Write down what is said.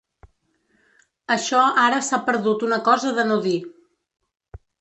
Això ara s’ha perdut una cosa de no dir.